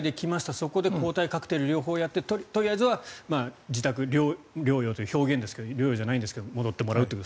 そこで抗体カクテル療法をやってとりあえずは自宅療養という表現ですが療養じゃないんですが戻ってもらうとか。